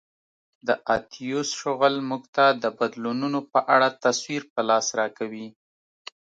د اتیوس شغل موږ ته د بدلونونو په اړه تصویر په لاس راکوي